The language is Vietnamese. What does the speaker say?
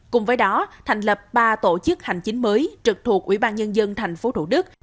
cùng với đó thành lập ba tổ chức hành chính mới trực thuộc ủy ban nhân dân tp thủ đức